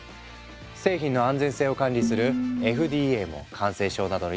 製品の安全性を管理するＦＤＡも感染症などのリスクを考え